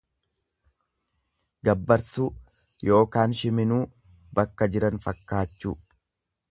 Gabbarsuu ykn shiminuu, bakka jiran fakkaachuu.